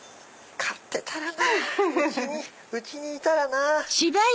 飼ってたらなぁうちにいたらなぁ。